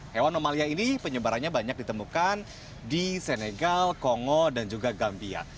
hewan mamalia ini penyebarannya banyak ditemukan di senegal kongo dan juga gambia